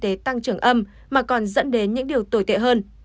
không chỉ mang tới tăng trưởng âm mà còn dẫn đến những điều tồi tệ hơn